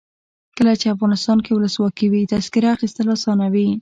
کله چې افغانستان کې ولسواکي وي تذکره اخیستل اسانه وي.